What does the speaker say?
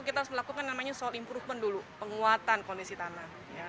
kita harus melakukan namanya soal improvement dulu penguatan kondisi tanah